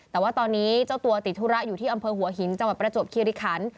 แต่ว่าตอนนี้เจ้าตัวติดธุระอยู่ที่อำเภอหัวหินจังหวัดประจวบคิริคัน